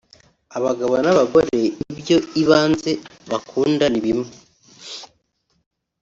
Abagabo n’abagore ibyo ibanze bakunda ni bimwe